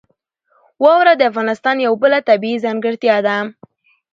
واوره د افغانستان یوه بله طبیعي ځانګړتیا ده.